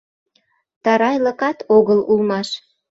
Тарайлыкат огыл улмаш